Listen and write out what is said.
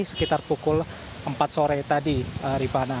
sekitar pukul empat sore tadi rifana